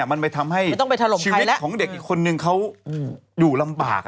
มันไปทำให้ชีวิตของเด็กอีกคนนึงเขาอยู่ลำบาก